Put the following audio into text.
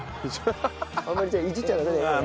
あんまりじゃあいじっちゃダメ？